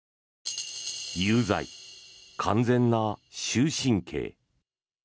有罪、完全な終身刑。